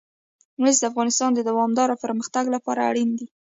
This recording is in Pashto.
مس د افغانستان د دوامداره پرمختګ لپاره اړین دي.